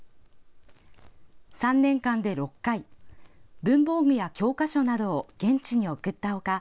３年間で６回文房具や教科書などを現地に贈った他